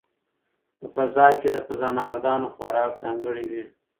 په فضا کې د فضانوردانو خوراک ځانګړی وي.